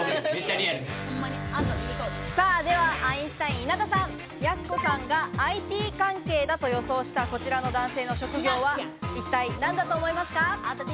ではアインシュタイン・稲田さん、やす子さんがＩＴ関係だと予想したこちらの男性の職業は、一体何だと思いますか？